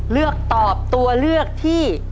เลือกตอบตัวเลือกที่